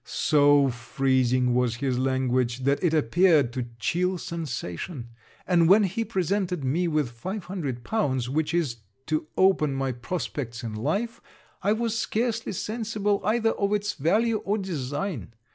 So freezing was his language, that it appeared to chill sensation; and when he presented me the 500l, which is to open my prospects in life, I was scarcely sensible either of its value or design.